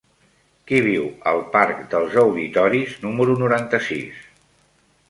Qui viu al parc dels Auditoris número noranta-sis?